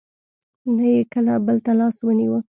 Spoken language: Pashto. نه یې کله بل ته لاس ونېوه.